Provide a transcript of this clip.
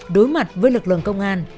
đối mặt với lực lượng công an